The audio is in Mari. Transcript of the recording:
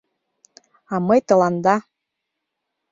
А мый тыланда...